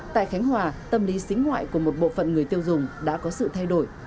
tại khánh hòa tâm lý xính ngoại của một bộ phận người tiêu dùng đã có sự thay đổi